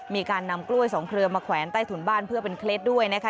มีการนำกล้วยสองเครือมาแขวนใต้ถุนบ้านเพื่อเป็นเคล็ดด้วยนะคะ